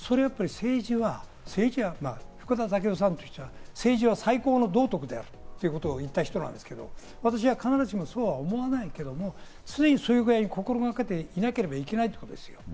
政治は福田赳夫さんという人が政治は最高の道徳であるということを言った人ですが、私は必ずしも、そうは思わないけれども、それぐらいに心がけていなければいけないということです。